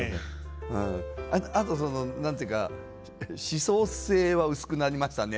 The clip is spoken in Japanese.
あとその何て言うか思想性は薄くなりましたね